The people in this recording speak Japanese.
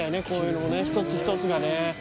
こういうのもね一つ一つがね